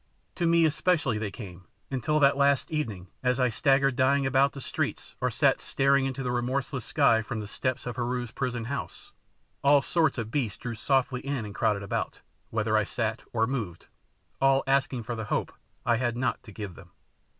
To me especially they came, until that last evening as I staggered dying about the streets or sat staring into the remorseless sky from the steps of Heru's prison house, all sorts of beasts drew softly in and crowded about, whether I sat or moved, all asking for the hope I had not to give them.